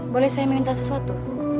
boleh saya minta sesuatu